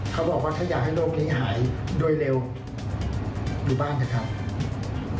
เขาบอกว่าถ้าอยากให้โลกนี้หายโดยเร็วอยู่บ้านเถอะครับ